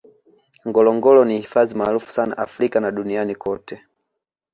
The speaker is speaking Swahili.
ngorongoro ni hifadhi maarufu sana africa na duniani kote